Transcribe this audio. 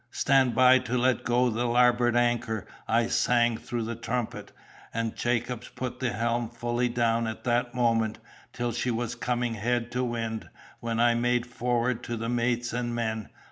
'Stand by to let go the larboard anchor!' I sang through the trumpet; and Jacobs put the helm fully down at that moment, till she was coming head to wind, when I made forward to the mates and men.